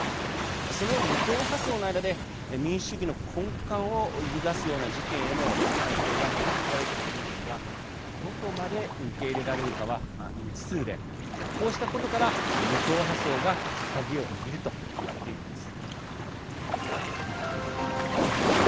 その無党派層の間で民主主義の根幹を揺るがすような事件への関係が問われている人物がどこまで受け入れられるかは未知数でこうしたことから無党派層が鍵を握るといわれているんです。